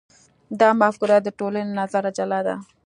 دا مفکوره د ټولنې له نظره جلا ده.